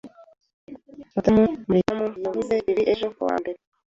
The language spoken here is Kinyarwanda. Madamu Mwalimu yavuze ibi ejo ku wa mbere